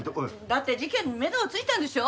だって事件にめどがついたんでしょ？